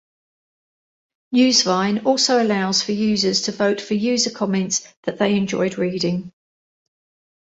Newsvine also allows for users to vote for user comments that they enjoyed reading.